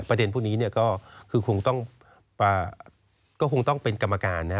ประเด็นพวกนี้ก็คงต้องเป็นกรรมการนะฮะ